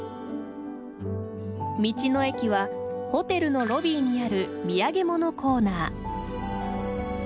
道の駅はホテルのロビーにある土産物コーナー。